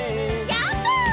ジャンプ！